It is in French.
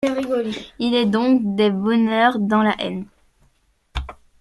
Il est donc des bonheurs dans la haine !